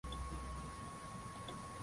hawajui hawajui haki zao bado